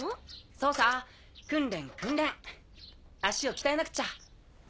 そうさ訓練訓練足を鍛えなくちゃ。